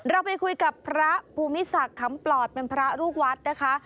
เราไปคุยกับพระภูมิศักดิ์คำปลอดเป็นพระลูกวัดนะคะ